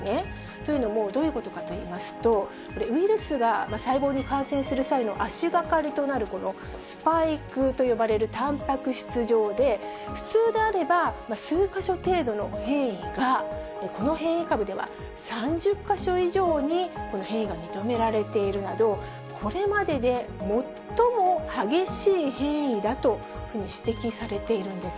というのも、どういうことかといいますと、これ、ウイルスが細胞に感染する際の足がかりとなる、このスパイクと呼ばれるたんぱく質上で、普通であれば数か所程度の変異が、この変異株では、３０か所以上に変異が認められているなど、これまでで最も激しい変異だというふうに指摘されているんです。